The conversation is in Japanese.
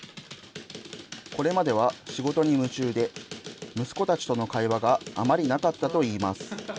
これまでは仕事に夢中で、息子たちとの会話があまりなかったといいます。